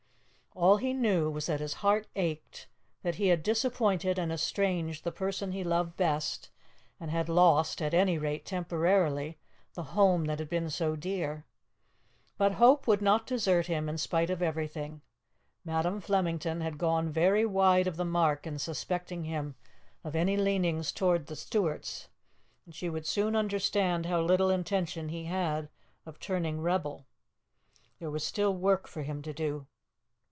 All he knew was that his heart ached, that he had disappointed and estranged the person he loved best, and had lost, at any rate temporarily, the home that had been so dear. But hope would not desert him, in spite of everything. Madam Flemington had gone very wide of the mark in suspecting him of any leaning towards the Stuarts, and she would soon understand how little intention he had of turning rebel. There was still work for him to do.